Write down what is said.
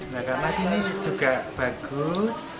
mbak kamah sini juga bagus